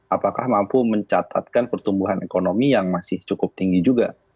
apakah mampu mencatatkan pertumbuhan ekonomi yang masih cukup tinggi juga